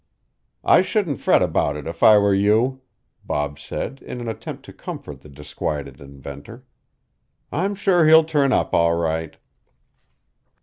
"I shouldn't fret about it if I were you," Bob said in an attempt to comfort the disquieted inventor. "I'm sure he'll turn up all right."